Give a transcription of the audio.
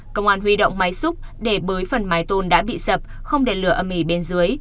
công an huy động máy xúc để bới phần mái tôn đã bị sập không để lửa âm ỉ bên dưới